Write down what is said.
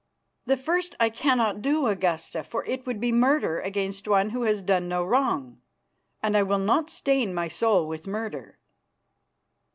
"The first I cannot do, Augusta, for it would be murder against one who has done no wrong, and I will not stain my soul with murder."